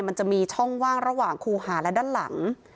มันจะมีช่องว่างระหว่างครูหาและด้านหลัง